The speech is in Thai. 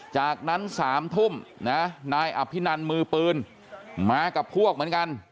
จากนั้น๓ทุ่มนะนายอภินันมือปืนมากับพวกเหมือนกัน